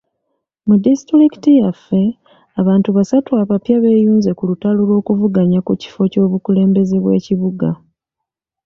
Mu disitulikiti yaffe, abantu basatu abapya beeyunze ku lutalo lw'okuvuganya ku kifo ky'obukulembeze bw'ekibuga.